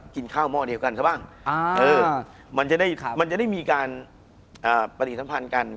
คุณผู้ชมบางท่าอาจจะไม่เข้าใจที่พิเตียร์สาร